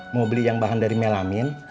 mau beli yang bahan dari melamin